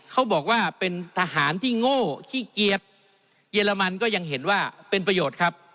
เขาบอกว่าเป็นทหารที่โง่ขี้เกียจเยอรมันก็ยังเห็นว่าเป็นประโยชน์ครับ